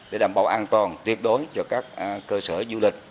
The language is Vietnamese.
để đảm bảo an toàn tuyệt đối cho các cơ sở du lịch